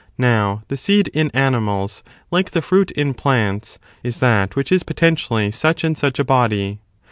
Now the seed in animals, like the fruit in plants, is that which is potentially such and such a body.